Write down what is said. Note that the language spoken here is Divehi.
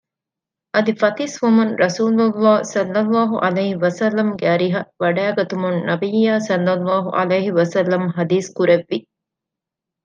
އަދި ފަތިސްވުމުން ރަސޫލުﷲ ﷺ ގެ އަރިހަށް ވަޑައިގަތުމުން ނަބިއްޔާ ﷺ ޙަދީޘްކުރެއްވި